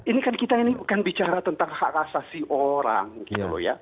ini kan kita ini kan bicara tentang hak asasi orang gitu loh ya